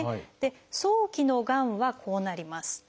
早期のがんはこうなります。